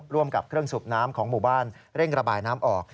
ร่วมกับเครื่องสูบน้ำของหมู่บ้านเร่งระบายน้ำออก